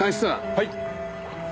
はい。